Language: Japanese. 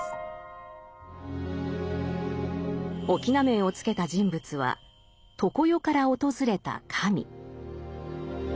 翁面をつけた人物は常世から訪れた神。